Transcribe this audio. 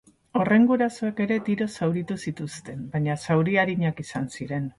Horren gurasoek ere tiroz zauritu zituzten, baina zauri arinak izan ziren.